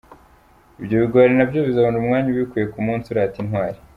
Ibyo bigwari nabyo bizabona umwanya ubikwiye ku munsi urata intwali.